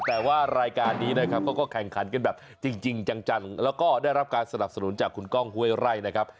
แต่ว่ารายการนี้นะครับเขาก็แข่งขันกันแบบจริงจังแล้วก็ได้รับการสนับสนุนจากคุณก้องห้วยไร่นะครับ